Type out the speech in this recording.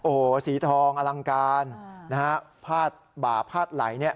โอ้โหสีทองอลังการนะฮะพาดบ่าพาดไหลเนี่ย